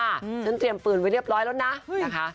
ฉันเตรียมปืนไว้เรียบร้อยแล้วนะนะคะ